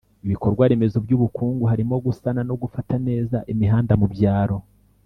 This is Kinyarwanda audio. ibikorwa remezo by'ubukungu, harimo gusana no gufata neza imihanda mu byaro